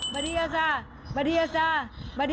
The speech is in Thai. วันนี้มีความสุขอย่างไร